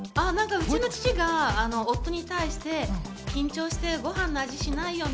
うちの父が夫に対して緊張して、ごはんの味しないよね。